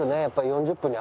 ４０分に。